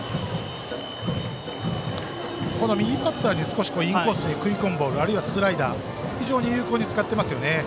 右バッターに対してインコースに食い込むボールあるいはスライダーを非常に有効に使ってますよね。